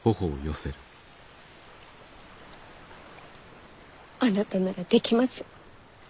あなたならできます。